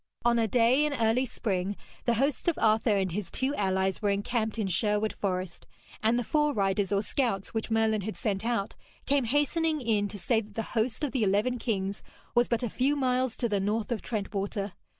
On a day in early spring, the hosts of Arthur and his two allies were encamped in Sherwood Forest, and the fore riders or scouts, which Merlin had sent out, came hastening in to say that the host of the eleven kings was but a few miles to the north of Trent water.